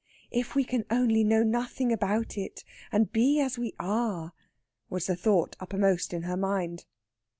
"If we can only know nothing about it, and be as we are!" was the thought uppermost in her mind.